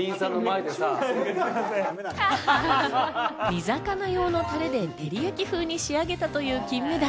煮魚用のタレでテリヤキ風に仕上げたという金目鯛。